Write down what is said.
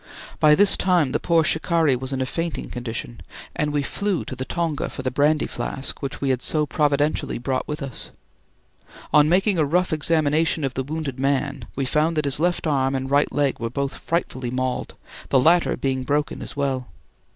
By this time the poor shikari was in a fainting condition, and we flew to the tonga for the brandy flask which we had so providentially brought with us. On making a rough examination of the wounded man, we found that his left arm and right leg were both frightfully mauled, the latter being broken as well.